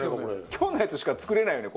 今日のやつしか作れないよね